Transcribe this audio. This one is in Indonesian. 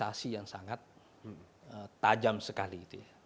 pertarungan yang sangat tajam sekali